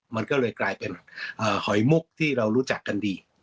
มันก็เลยกลายเป็นหอยมุกที่เรารู้จักกันดี